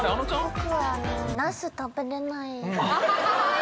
僕はナス食べれない。